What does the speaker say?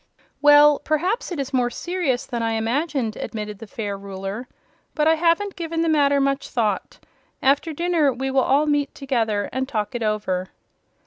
"Well, perhaps it is more serious than I imagined," admitted the fair Ruler; "but I haven't given the matter much thought. After dinner we will all meet together and talk it over."